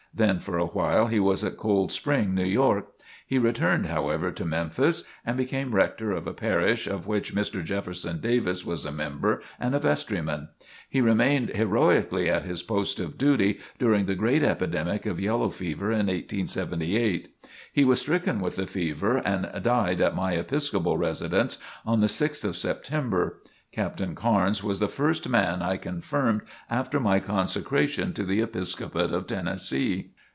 Then for a while he was at Cold Spring, New York. He returned, however, to Memphis and became rector of a parish of which Mr. Jefferson Davis was a member and a vestryman. He remained heroically at his post of duty during the great epidemic of yellow fever in 1878. He was stricken with the fever and died at my Episcopal residence on the 6th of September. Captain Carnes was the first man I confirmed after my consecration to the Episcopate of Tennessee.